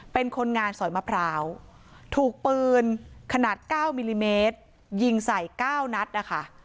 เป็นคนงานสอยมะพร้าวถูกปืนขนาด๙มิลลิเมตรยิงใส่๙นัดนะคะ